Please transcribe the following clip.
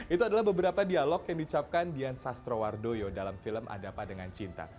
itu adalah beberapa dialog yang dicapkan dian sastrowardoyo dalam film adapa dengan cinta